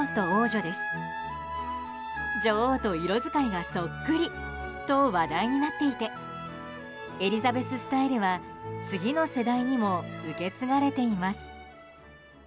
女王と色使いがそっくりと話題になっていてエリザベススタイルは次の世代にも受け継がれています。